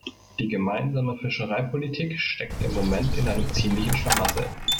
Die Gemeinsame Fischereipolitik steckt im Moment in einem ziemlichen Schlamassel.